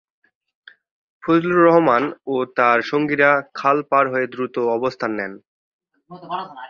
ফজলুর রহমান ও তার সঙ্গীরা খাল পার হয়ে দ্রুত অবস্থান নেন।